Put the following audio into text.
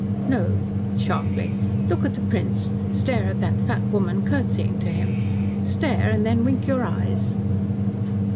"No," sharply, "look at the Prince. Stare at that fat woman curtsying to him. Stare and then wink your eyes."